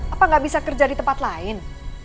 apa nggak bisa kerja di tempat lain